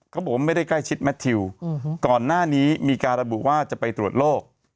บอกว่าไม่ได้ใกล้ชิดแมททิวก่อนหน้านี้มีการระบุว่าจะไปตรวจโรค